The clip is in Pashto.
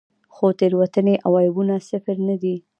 خو تېروتنې او عیبونه صفر نه دي.